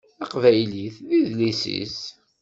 Taqbaylit d idles-is.